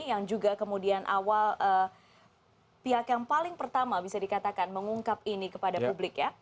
yang juga kemudian awal pihak yang paling pertama bisa dikatakan mengungkap ini kepada publik ya